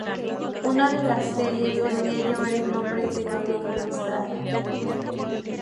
Una de las series debía llevar el nombre de Gabriela Mistral.